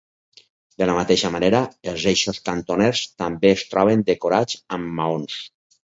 De la mateixa manera, els eixos cantoners també es troben decorats amb maons.